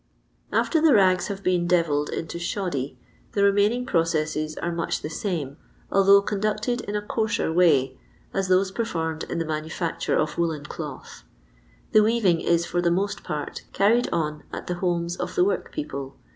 "After the rags have been devilled into shoddy, the remaining processes are much the same, al thoagh conducted in a coarser way, as those performed in the manufiscture of woollen cloth. The weaving is, for the most part, carried on at the homes of the workpeople.